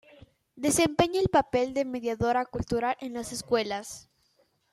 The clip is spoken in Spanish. Desempeña el papel de mediadora cultural en las escuelas.